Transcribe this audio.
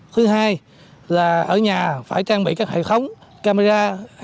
thứ hai là ở nhà phải trang bị các hệ thống camera